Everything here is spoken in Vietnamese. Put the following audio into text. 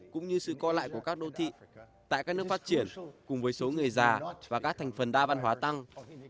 cũng như sự coi lại của các đô thị tại các nước phát triển cùng với số người già và các thành phần đa văn hóa tăng